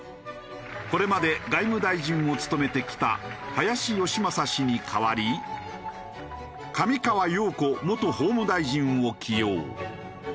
これまで外務大臣を務めてきた林芳正氏に代わり上川陽子元法務大臣を起用。